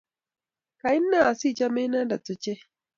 Kaine asichame inendet ochei?